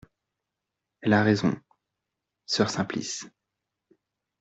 Elle a raison, soeur Simplice.